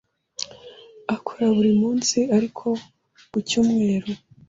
Akora buri munsi ariko ku cyumweru.